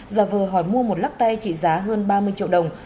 giả vờ hỏi mua một lắc tay trị giá hơn ba mươi triệu đồng